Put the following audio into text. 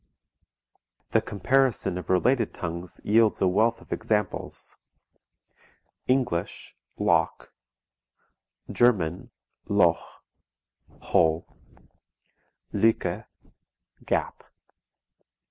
The comparison of related tongues yields a wealth of examples: English: lock; German: Loch hole, Lücke gap.